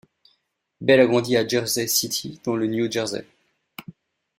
Bell a grandi à Jersey City dans le New Jersey.